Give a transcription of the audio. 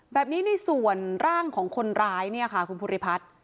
แบบนี้ในส่วนร่างของคนร้ายเนี่ยค่ะคุณภูริพัฒน์